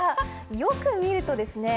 よく見るとですね。